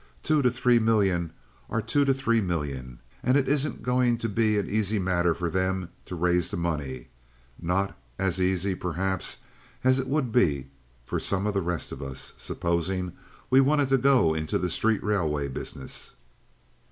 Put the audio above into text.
Two to three million are two to three million, and it isn't going to be an easy matter for them to raise the money—not as easy, perhaps, as it would be for some of the rest of us, supposing we wanted to go into the street railway business."